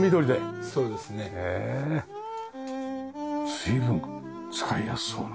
随分使いやすそうな。